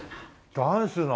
ダンスの。